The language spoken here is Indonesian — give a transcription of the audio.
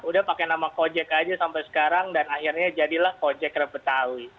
udah pakai nama kojek aja sampai sekarang dan akhirnya jadilah kojek rep betawi